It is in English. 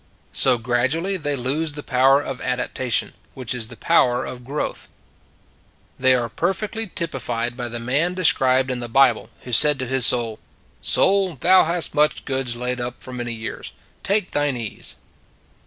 So, gradually, they lose the power of adaptation, which is the power of growth. They are perfectly typified by the man described in the Bible, who said to his soul :" Soul, thou hast much goods laid up for many years : take thine ease."